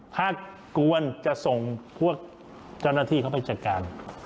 ถ้ากวนจะส่งพวกเจ้าหน้าที่เข้าไปจัดการ